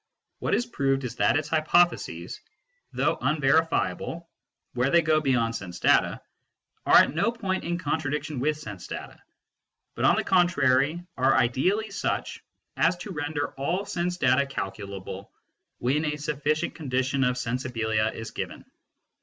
What is proved is that its hypotheses, though unverifiable where they go beyond sense data, are at no point in contradiction with sense data, but, on the contrary, are ideally such as to render all sense data calculable when a sufficient collection of " sensibilia " is given.